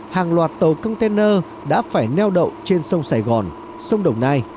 hàng loạt tàu container đã phải neo đậu trên sông sài gòn sông đồng nai